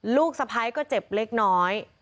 ลูกสะพ้ายก็เจ็บเล็กน้อย